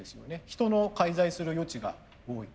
人の介在する余地が多い。